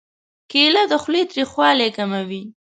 کېله د خولې تریخوالی کموي.